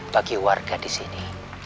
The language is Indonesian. bagi warga disini